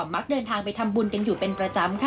มักเดินทางไปทำบุญกันอยู่เป็นประจำค่ะ